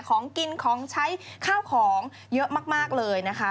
ของกินของใช้ข้าวของเยอะมากเลยนะคะ